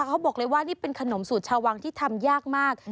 เขาบอกเลยว่านี่เป็นขนมสูตรชาววังที่ทำยากมาก